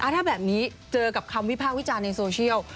ถ้าแบบนี้เจอกับคำวิพากษ์วิจารณ์ในโซเชียล